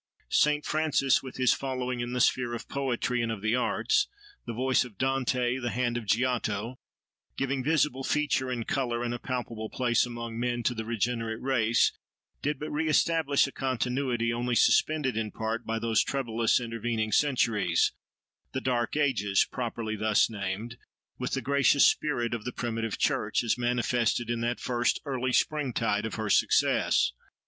Saint Francis, with his following in the sphere of poetry and of the arts—the voice of Dante, the hand of Giotto—giving visible feature and colour, and a palpable place among men, to the regenerate race, did but re establish a continuity, only suspended in part by those troublous intervening centuries—the "dark ages," properly thus named—with the gracious spirit of the primitive church, as manifested in that first early springtide of her success.